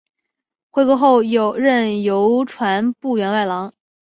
回国后任邮传部员外郎。